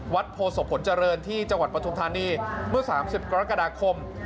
โพศพลเจริญที่จังหวัดปฐุมธานีเมื่อ๓๐กรกฎาคม